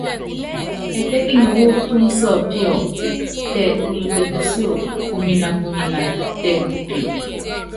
Ɛtɛ́kini wu túnsopio, tɛ ulute pusíó, uminakumina tɛ kupio.